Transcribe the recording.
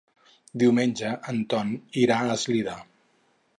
Diumenge en Ton irà a Eslida.